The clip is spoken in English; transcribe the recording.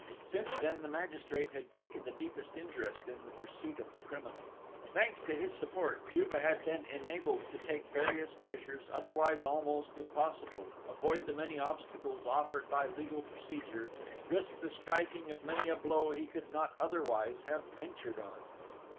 Since then the magistrate had taken the deepest interest in the pursuit of the criminal. Thanks to his support, Juve had been enabled to take various measures, otherwise almost impossible, avoid the many obstacles offered by legal procedure, risk the striking of many a blow he could not otherwise have ventured on.